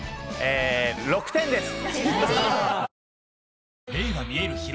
６点です！